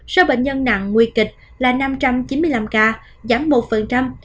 số bệnh nhân nặng nguy kịch là năm trăm chín mươi năm ca giảm một